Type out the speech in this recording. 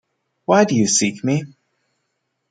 Why do you seek me?